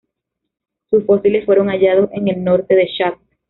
Sus fósiles fueron hallados en el norte de Chad.